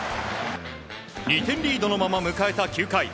２点リードのまま迎えた９回。